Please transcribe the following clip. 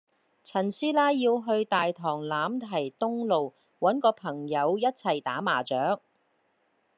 陳師奶要去大棠欖堤東路搵個朋友一齊打麻雀